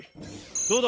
どうだ？